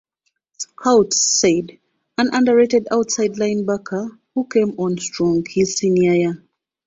Scouts said, An underrated outside linebacker who came on strong his senior year.